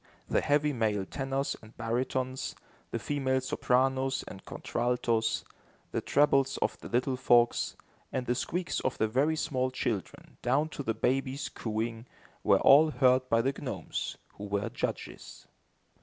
The heavy male tenors and baritones, the female sopranos and contraltos, the trebles of the little folks, and the squeaks of the very small children, down to the babies' cooing, were all heard by the gnomes, who were judges.